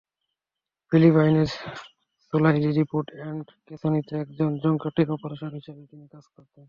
ফিলিপাইনের Solaire resort and ক্যাসিনোতে একজন জাংকেট অপারেটর হিসেবে তিনি কাজ করতেন।